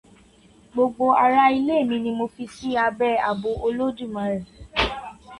Gbogbo ará ilé mi ni mo fi sí abẹ́ ààbò olódùmarè.